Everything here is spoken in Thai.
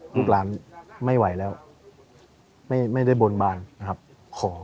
ลูกหลานไม่ไหวแล้วไม่ได้บนบานนะครับขอ